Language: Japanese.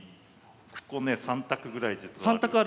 ここね３択ぐらい実は。